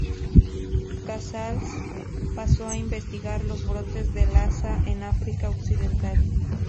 Casals pasó a investigar los brotes del Lassa en África occidental.